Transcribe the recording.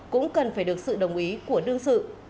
cũng cần phải được sự đồng ý của đương sự